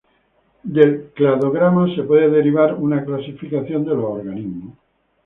Del cladograma se puede derivar una clasificación de los organismos.